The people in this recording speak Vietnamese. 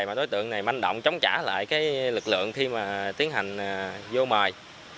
mà đối tượng này manh động chống trả lại cái lực lượng khi mà tiến hành vô mời